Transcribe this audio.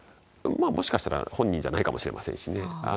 もしかしたら本人じゃないかもしれませんしね。